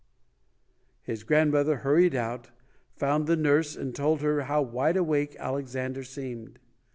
His grandmother hurried out, found the nurse and told her how wide awake Alexander seemed.